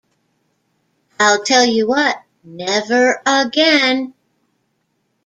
I'll tell you what, never again.